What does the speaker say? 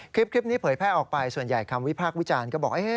คลิปนี้เผยแพร่ออกไปส่วนใหญ่คำวิพากษ์วิจารณ์ก็บอก